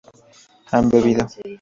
han bebido